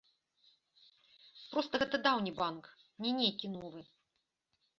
Проста гэта даўні банк, не нейкі новы.